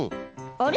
あれ？